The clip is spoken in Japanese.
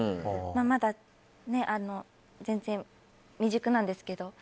まだ全然、未熟なんですけど。